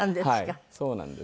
はいそうなんです。